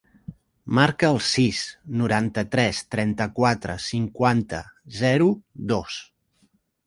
Marca el sis, noranta-tres, trenta-quatre, cinquanta, zero, dos.